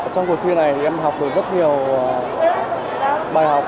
trong cuộc thi này em học được rất nhiều bài học